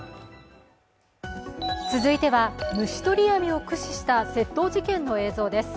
続いては虫捕り網を駆使した窃盗事件の映像です。